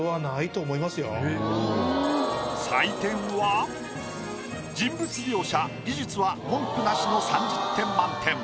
採点は人物描写技術は文句なしの３０点満点。